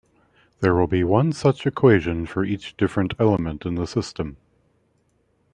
There will be one such equation for each different element in the system.